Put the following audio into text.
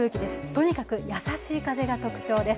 とにかく優しい風が特徴です。